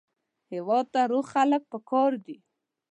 هېواد ته روغ خلک پکار دي